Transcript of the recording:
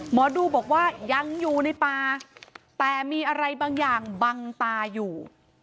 หมอดูบอกว่ายังอยู่ในป่าแต่มีอะไรบางอย่างบังตาอยู่